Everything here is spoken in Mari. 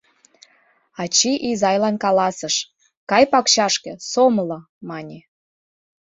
Ачий изайлан каласыш: «Кай пакчашке, сомыло!» — мане.